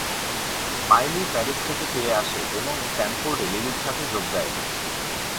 মাইলি Paris থেকে ফিরে আসে এবং স্ট্যানফোর্ডে লিলির সাথে যোগ দেয়।